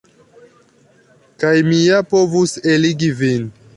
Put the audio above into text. Kaj mi ja povus eligi vin.